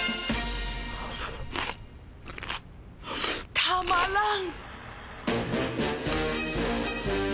とまらん